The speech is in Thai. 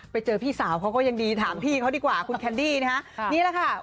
ไปเจอพี่สาวเขาก็ยังดีถามพี่เขาดีกว่าคุณแคนดี้นะฮะนี่แหละค่ะ